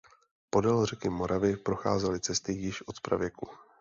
Podél řeky Moravy procházely cesty již od pravěku.